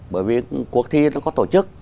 bởi vì cuộc thi nó có tổ chức